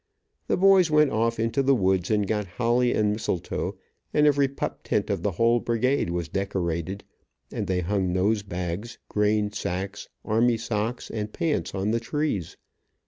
The boys went off into the woods and got holly, and mistletoe, and every pup tent of the whole brigade was decorated, and they hung nose bags, grain sacks, army socks and pants on the trees.